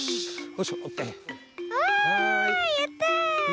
あやった！